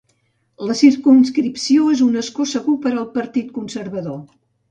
La circumscripció és un escó segur per al Partit Conservador.